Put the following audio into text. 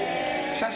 写真